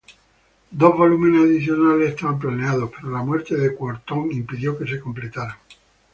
Dos volúmenes adicionales estaban planeados, pero la muerte de Quorthon impidió que se completaran.